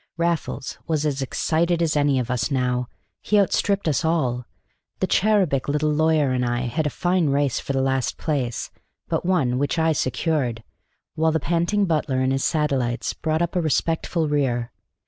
Raffles was as excited as any of us now: he outstripped us all. The cherubic little lawyer and I had a fine race for the last place but one, which I secured, while the panting butler and his satellites brought up a respectful rear.